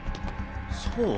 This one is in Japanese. そう？